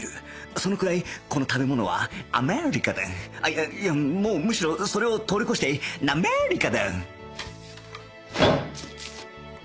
そのくらいこの食べ物はアメリカでいやもうむしろそれを通り越してナメリカだ